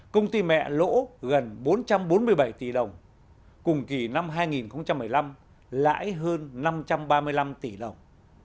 công ty mẹ lỗ gần bốn trăm bốn mươi bảy tỷ đồng cùng kỳ năm hai nghìn một mươi năm lãi hơn năm trăm ba mươi năm tỷ đồng